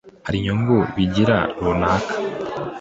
Hari inyungu bigira runaka